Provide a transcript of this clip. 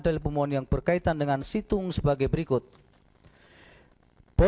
dari pemohon yang berkaitan dengan situng sebagai berikut